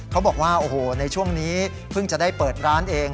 เขาบอกว่าโอ้โหในช่วงนี้เพิ่งจะได้เปิดร้านเอง